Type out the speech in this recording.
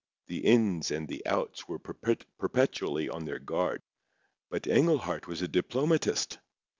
The Ins and the Outs were perpetually on their guard. But Englehart was a diplomatist.